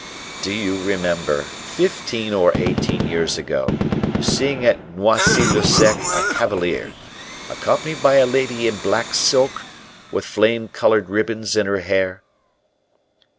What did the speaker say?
'" "Do you remember, fifteen or eighteen years ago, seeing at Noisy le Sec a cavalier, accompanied by a lady in black silk, with flame colored ribbons in her hair?"